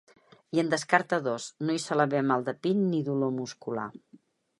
I en descarta dos: no hi sol haver mal de pit ni dolor muscular.